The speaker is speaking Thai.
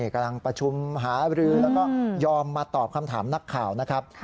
กำลังประชุมหาบรือแล้วก็ยอมมาตอบคำถามนักข่าวนะครับ